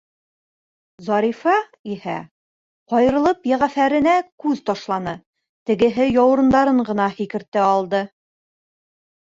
Зарифа, иһә, ҡайырылып Йәғәфәренә күҙ ташланы, тегеһе яурындарын ғына һикертә алды.